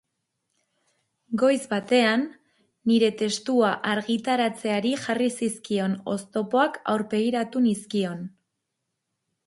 Goiz batean, nire testua argitaratzeari jarri zizkion oztopoak aurpegiratu nizkion.